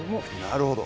なるほど。